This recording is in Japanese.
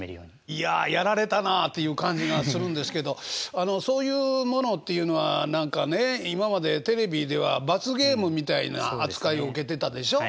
いややられたなあっていう感じがするんですけどあのそういうものっていうのは何かね今までテレビでは罰ゲームみたいな扱いを受けてたでしょ？